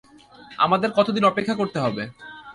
আমাদের কতদিন অপেক্ষা করতে হবে?